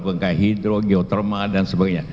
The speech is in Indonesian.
bengkak hidro geotermal dan sebagainya